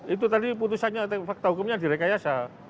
itu tadi putusannya fakta hukumnya direkayasa